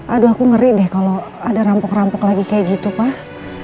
aduh aku ngeri deh kalau ada rampok rampok lagi kayak gitu pak